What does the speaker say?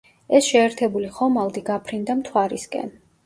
ეს შეერთებული ხომალდი გაფრინდა მთვარისკენ.